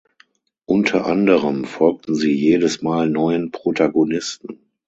Unter anderem folgten sie jedes Mal neuen Protagonisten.